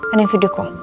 ada yang video call